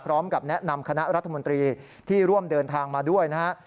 พร้อมกับแนะนำคณะรัฐมนตรีที่ร่วมเดินทางมาด้วยนะฮะ